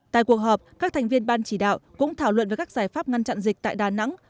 tại cuộc họp các thành viên ban chỉ đạo cũng thảo luận về các giải pháp ngăn chặn dịch tại đà nẵng